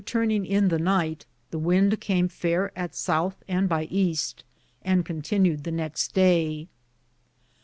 turninge in the nighte, the wynde came faire at southe and by easte, and contenued the nexte daye.